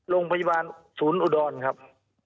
โรงพยาบาลศูนย์อุดรครับ